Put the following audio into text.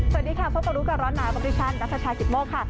สวัสดีค่ะพบกับรู้กับร้อนหนาบริษัทนักภาคชายกิตโมกค่ะ